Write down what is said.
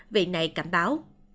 vị này cảnh báo